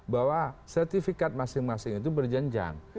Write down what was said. bahwa sertifikat masing masing itu berjenjang